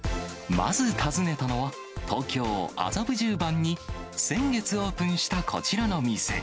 まず訪ねたのは、東京・麻布十番に先月オープンしたこちらの店。